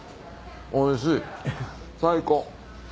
おいしい最高。